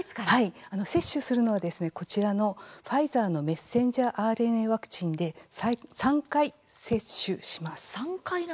接種するのはこちらのファイザーのメッセンジャーＲＮＡワクチンで３回、接種します。